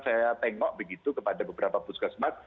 saya tengok begitu kepada beberapa puskesmas